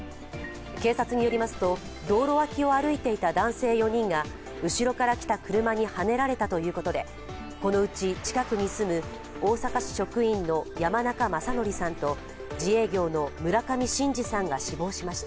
警察によりますと、道路脇を歩いていた男性４人が後ろから来た車にはねられたということでこのうち近くに住む大阪市職員の山中正規さんと自営業の村上伸治さんが死亡しました。